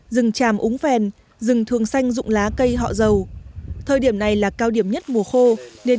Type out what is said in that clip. rừng tràm úng phèn rừng thường xanh dụng lá cây họ dầu thời điểm này là cao điểm nhất mùa khô nên